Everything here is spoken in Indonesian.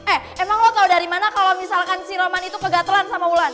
eh emang lo tau dari mana kalau misalkan si roman itu kegatelan sama wulan